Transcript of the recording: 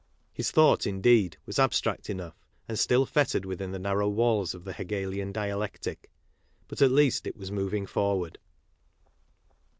His thought, indeed, was abstract enough, and still fettered within the^jTarrow^waJb__ofjtheJHegelian djalec But at least it was moving forward.